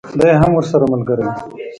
دی هم ورسره ملګری وو.